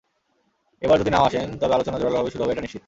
এবার যদি না-ও আসেন, তবে আলোচনা জোরালোভাবে শুরু হবে এটা নিশ্চিত।